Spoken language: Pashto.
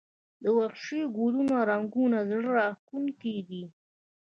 د وحشي ګلونو رنګونه زړه راښکونکي دي